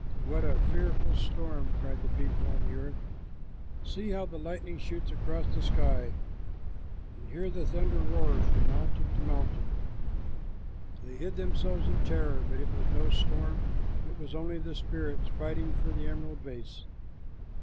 "What a fearful storm!" cried the people on the earth. "See how the lightning shoots across the sky, and hear the thunder roll from mountain to mountain!" They hid themselves in terror, but it was no storm, it was only the spirits fighting for the emerald vase.